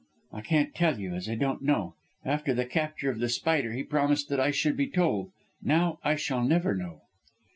"I can't tell you, as I don't know. After the capture of The Spider he promised that I should be told. Now I shall never know."